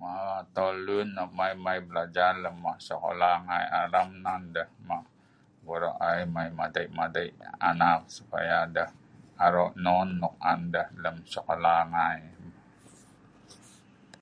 Mau atoel lun mai mai blajar lem ma' skola ngai alam nok nan deh ma' goro' ai mai madei madei anak supaya deh aro' non nok an deh lem skola ngai.